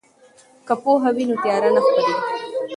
که پوهه وي نو تیاره نه خپریږي.